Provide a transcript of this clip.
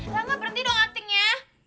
kamu berhenti dong actingnya